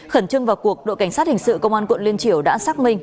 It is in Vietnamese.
khẩn trương vào cuộc đội cảnh sát hình sự công an quận liên triều đã xác minh